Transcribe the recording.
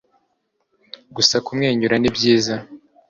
gusa kumwenyura nibyiza